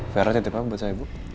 fira titip apa buat saya bu